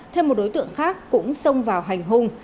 thêm một đối tượng khác cũng xông vào hành hung